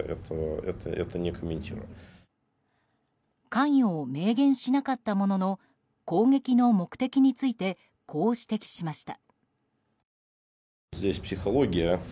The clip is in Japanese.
関与を明言しなかったものの攻撃の目的についてこう指摘しました。